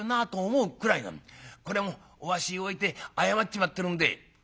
これはもうお足を置いて謝っちまってるんで」。